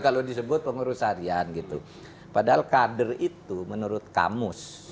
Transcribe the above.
kalau disebut pengurus harian gitu padahal kader itu menurut kamus